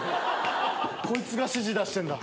こいつが指示出してんだ。